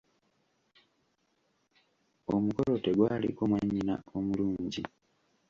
Omukolo tegwaliko mwannyina omulungi.